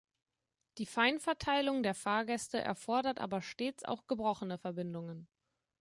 Die Feinverteilung der Fahrgäste erfordert aber stets auch gebrochene Verbindungen.